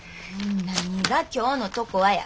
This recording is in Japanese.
何が今日のとこはや。